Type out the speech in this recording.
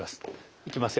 いきますよ。